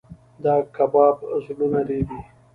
دا کباب زړونه رېبي.